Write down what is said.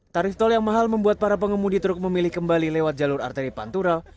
tarif tol yang mahal membuat para pengemudi truk memilih kembali lewat jalur arteri pantura